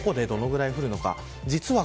どこでどのぐらい降るのか